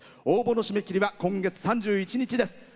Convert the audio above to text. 応募の締め切りは今月３１日です。